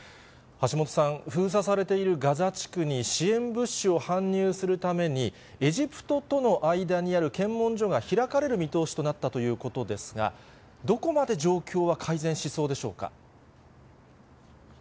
橋本さん、封鎖されているガザ地区に支援物資を搬入するために、エジプトとの間にある検問所が開かれる見通しとなったということですが、どこまで状況は改善しそうでしょうか。